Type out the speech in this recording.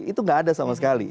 itu nggak ada sama sekali